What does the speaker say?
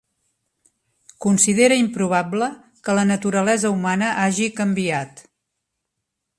Considera improbable que la naturalesa humana hagi canviat.